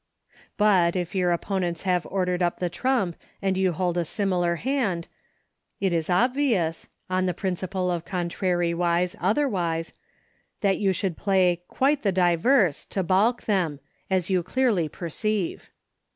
But if your opponents have ordered up the trump and you hold a similar hand, it is obvious — on the principle of contrariwise, 128 EUCHRE. otherwise— that you should play " quite the diverse/ 7 to balk them, as you clearly per ceive.